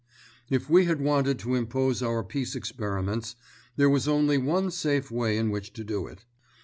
If we had wanted to impose our peace experiments, there was only one safe way in which to do it.